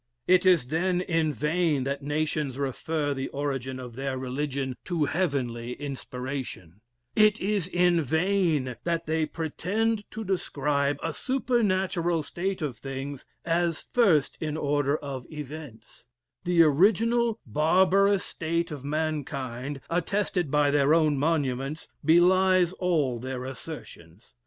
"It is then in vain that nations refer the origin of their religion to heavenly inspiration; it is in vain that they pretend to describe a supernatural state of things as first in order of events; the original barbarous state of mankind, attested by their own monuments, belies all their assertions.